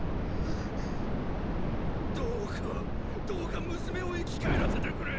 どうかどうか娘を生き返らせてくれ！